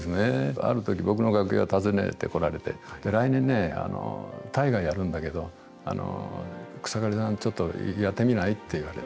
あるとき、僕の楽屋訪ねてこられて、来年ね、大河やるんだけど、草刈さん、ちょっとやってみないって言われて。